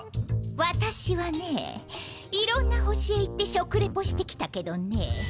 私はねいろんな星へ行って食レポしてきたけどね